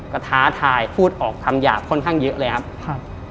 ก็ท้าทายพูดออกคำหยาบค่อนข้างเยอะเลยครับครับ